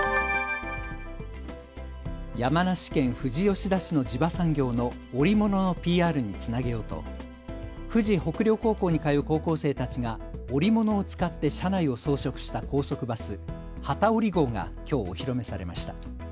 山梨県富士吉田市の地場産業の織物のＰＲにつなげようと、富士北稜高校に通う高校生たちが織物を使って車内を装飾した高速バス、ハタオリ号がきょうお披露目されました。